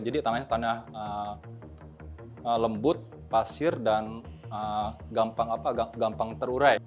jadi tanahnya tanah lembut pasir dan gampang terurai